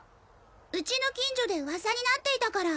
うちの近所で噂になっていたから。